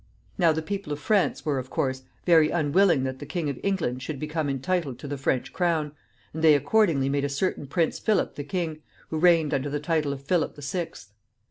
Now the people of France were, of course, very unwilling that the King of England should become entitled to the French crown, and they accordingly made a certain Prince Philip the king, who reigned under the title of Philip the Sixth.